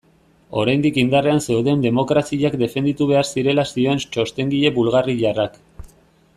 Oraindik indarrean zeuden demokraziak defenditu behar zirela zioen txostengile bulgariarrak.